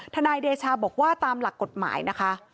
นายเดชาบอกว่าตามหลักกฎหมายนะคะ